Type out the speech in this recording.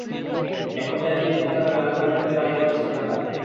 একপর্যায়ে চুবিয়ে হত্যা করে লাশ পানিতে ফেলে পালিয়ে যাওয়ার চেষ্টা করেন তাঁরা।